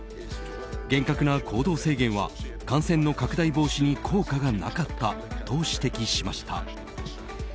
厳格な行動制限は感染の拡大防止に効果がなかったと指摘しました。